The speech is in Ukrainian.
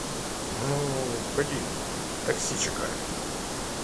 Ну, ходім, таксі чекає.